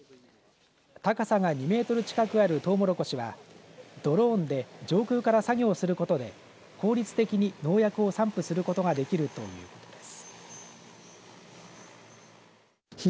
高さが２メートル近くあるトウモロコシはドローンで上空から作業することで効率的に農薬を散布することができるということです。